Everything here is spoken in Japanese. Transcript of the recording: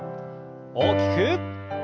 大きく。